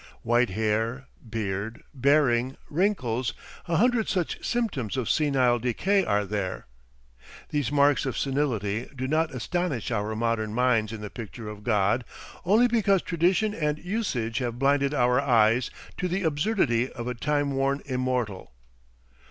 White hair, beard, bearing, wrinkles, a hundred such symptoms of senile decay are there. These marks of senility do not astonish our modern minds in the picture of God, only because tradition and usage have blinded our eyes to the absurdity of a time worn immortal.